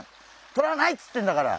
とらないっつってんだから！